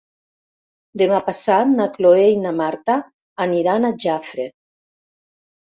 Demà passat na Cloè i na Marta aniran a Jafre.